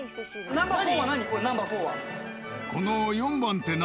これナンバー４は。